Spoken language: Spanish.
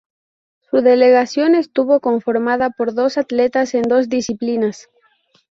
Su delegación estuvo conformada por dos atletas en dos disciplinas.